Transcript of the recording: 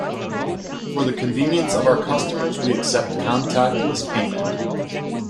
For the convenience of our customers we accept contactless payment.